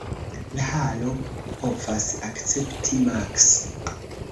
La halo povas akcepti maks.